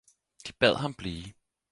De bad ham blive.